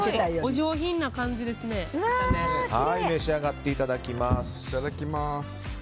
召し上がっていただきます。